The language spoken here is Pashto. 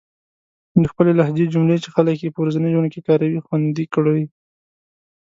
د خپلې لهجې جملې چې خلک يې په ورځني ژوند کې کاروي، خوندي کړئ.